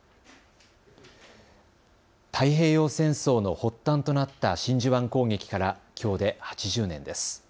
太平洋戦争の発端となった真珠湾攻撃から、きょうで８０年です。